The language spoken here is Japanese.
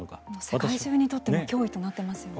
世界中にとっても脅威となっていますよね。